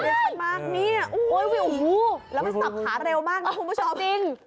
แล้วมันสับขาเร็วมากนะคุณผู้ชม